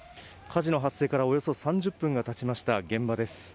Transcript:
火事の発生からおよそ３０分が経ちました現場です。